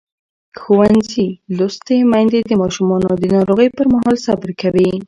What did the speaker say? ښوونځې لوستې میندې د ماشومانو د ناروغۍ پر مهال صبر کوي.